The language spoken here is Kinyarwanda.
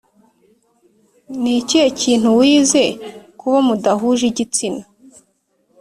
Ni ikihe kintu wize ku bo mudahuje igitsina